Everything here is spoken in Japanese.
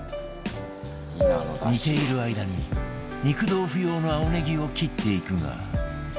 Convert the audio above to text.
煮ている間に肉豆腐用の青ネギを切っていくが